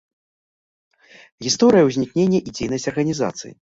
Гісторыя ўзнікнення і дзейнасць арганізацый.